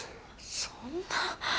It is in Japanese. そんな。